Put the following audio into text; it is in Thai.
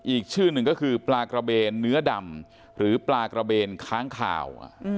อีกชื่อหนึ่งก็คือปลากระเบนเนื้อดำหรือปลากระเบนค้างข่าว